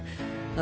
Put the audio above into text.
あ。